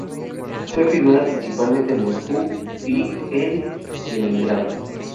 Fue filmada principalmente en Moscú y en Leningrado.